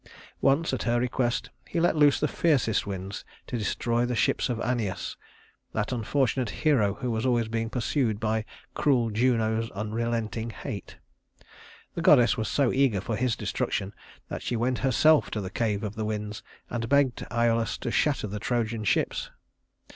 Once, at her request, he let loose the fiercest winds to destroy the ships of Æneas that unfortunate hero who was always being pursued by "cruel Juno's unrelenting hate." The goddess was so eager for his destruction that she went herself to the cave of the winds, and begged Æolus to shatter the Trojan ships.